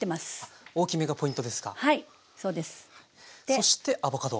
そしてアボカド。